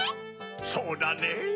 そうだねぇ。